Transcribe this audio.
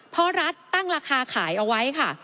เพราะรัฐตั้งราคาขายเอาไว้ค่ะ